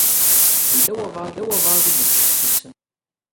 Yella walebɛaḍ i d-ittḥessisen.